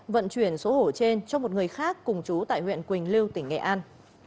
vận chuyển số hổ trên cho một người khác cùng chú tại huyện quỳnh lưu tỉnh nghệ an